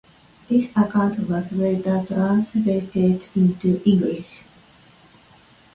This account was later translated into English.